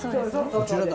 こちらだ！